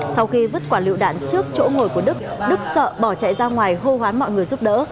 sau khi vứt quả lựu đạn trước chỗ ngồi của đức đức sợ bỏ chạy ra ngoài hô hoán mọi người giúp đỡ